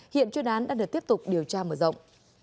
hiện chuyên án đã được tiếp tục điều tra mở rộng